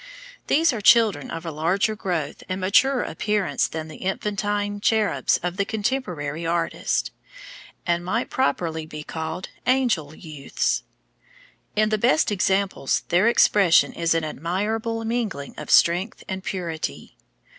These are children of a larger growth and maturer appearance than the infantine cherubs of contemporary artists, and might properly be called angel youths. In the best examples their expression is an admirable mingling of strength and purity.